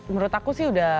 menurut aku sih udah